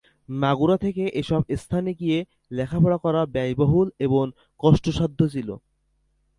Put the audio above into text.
মাগুরা থেকে এ সব স্থানে গিয়ে লেখাপড়া করা ব্যয়বহুল এবং কষ্টসাধ্য ছিল।